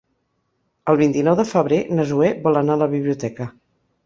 El vint-i-nou de febrer na Zoè vol anar a la biblioteca.